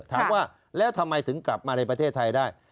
ถามว่าแล้วทำไมถึงกลับมาในประเทศไทยได้